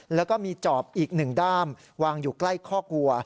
แล้วก็มีจอบอีก๑ด้ามวางอยู่ใกล้ข้อวัว